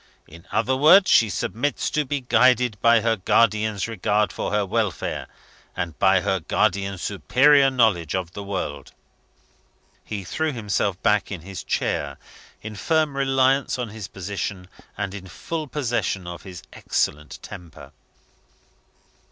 In other words, she submits to be guided by her guardian's regard for her welfare, and by her guardian's superior knowledge of the world." He threw himself back in his chair, in firm reliance on his position, and in full possession of his excellent temper.